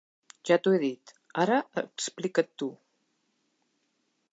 Ja t'ho he dit, ara explica't tu.